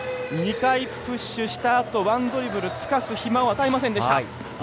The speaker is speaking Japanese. ２回プッシュしたあとワンドリブルさせる暇を与えませんでした。